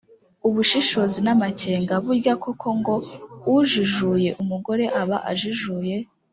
ubushishozi, n’amakenga. burya koko ngo ujijuye umugore aba ajijuye